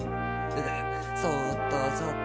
そっとそっと。